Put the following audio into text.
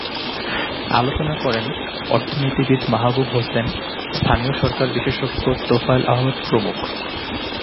আলোচনা করেন অর্থনীতিবিদ মাহবুব হোসেন, স্থানীয় সরকার বিশেষজ্ঞ তোফায়েল আহমেদ প্রমুখ।